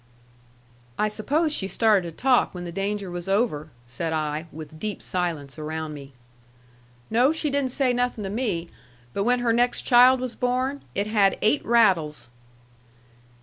"I suppose she started to talk when the danger was over," said I, with deep silence around me. "No; she didn't say nothing to me. But when her next child was born, it had eight rattles."